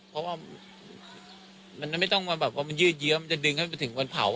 เพราะว่ามันไม่ต้องมาแบบว่ามันยืดเยื้อมันจะดึงให้ไปถึงวันเผา